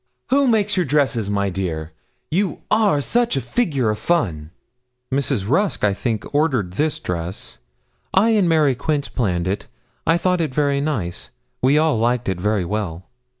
Who makes your dresses, my dear? You are such a figure of fun!' 'Mrs. Rusk, I think, ordered this dress. I and Mary Quince planned it. I thought it very nice. We all like it very well.'